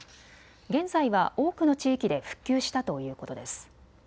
現在は多くの地域で復旧したということです。